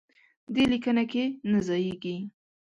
دې لیکنه کې نه ځایېږي.